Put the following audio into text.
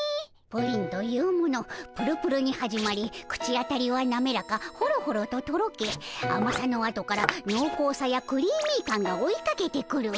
プリンというものぷるぷるに始まり口当たりはなめらかほろほろととろけあまさの後からのうこうさやクリーミー感が追いかけてくる。